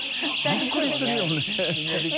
澆鵑びっくりするよね